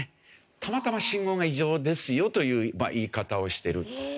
たまたま信号が異常ですよという言い方をしてる。